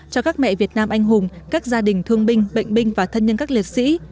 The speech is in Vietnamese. cho các mẹ việt nam anh hùng các gia đình thương binh bệnh binh và thân nhân các liệt sĩ